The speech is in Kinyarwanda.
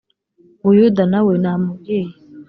buyuda na we namubwiye